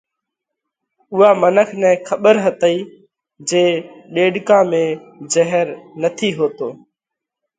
اُوئا منک نئہ کٻر هتئِي جي ڏيڏڪا ۾ جھير نٿِي هوئيتو